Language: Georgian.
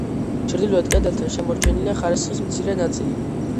ჩრდილოეთ კედელთან შემორჩენილია ხარისხის მცირე ნაწილი.